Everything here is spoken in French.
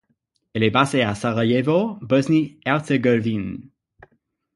Elle est basée à Sarajevo, Bosnie-Herzégovine.